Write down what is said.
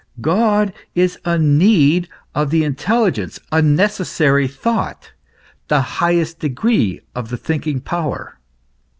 God is a need of the intelligence, a neces sary thought the highest degree of the thinking power.